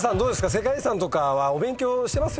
世界遺産はお勉強してますよね。